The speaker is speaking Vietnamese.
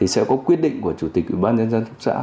sẽ có quyết định của chủ tịch ubnd cấp xã